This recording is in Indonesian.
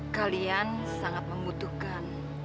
kalian sangat membutuhkan